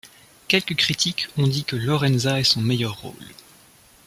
Quelues critiques ont dit que Lorenza est son meilleur rôle.